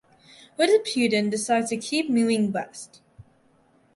What if Putin decides to keep moving west?